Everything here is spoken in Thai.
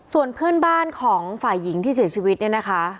ส่วนเพื่อนบ้านของฝ่ายหญิงที่เสียชีวิตเนี่ยนะคะ